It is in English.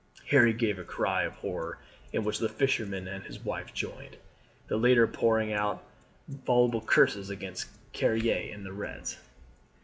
Harry gave a cry of horror, in which the fisherman and his wife joined, the latter pouring out voluble curses against Carrier and the Reds.